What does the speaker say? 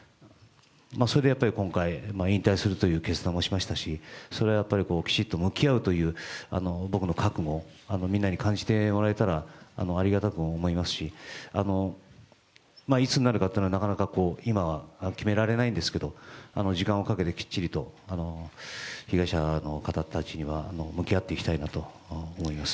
それで今回、引退するという決断しもしましたし、僕の覚悟、みんなに感じてもらえたらありがたく思いますしいつになるかというのはなかなか今は決められないんですけど、時間をかけてきっちりと被害者の方たちには向き合っていきたいなと思います。